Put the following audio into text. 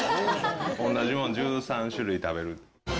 同じもん１３種類食べる。